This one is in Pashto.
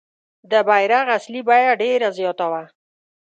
د بیرغ اصلي بیه ډېره زیاته وه.